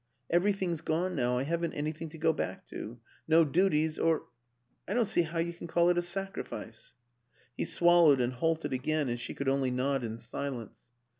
Everything's gone now I haven't anything to go back to. No duties or ... I don't see how you can call it a sacrifice." He swallowed and halted again and she could only nod in silence.